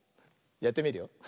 やってみるよ。